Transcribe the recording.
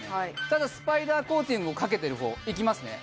ただスパイダーコーティングをかけてる方いきますね